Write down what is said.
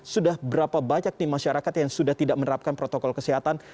sudah berapa banyak nih masyarakat yang sudah tidak menerapkan protokol kesehatan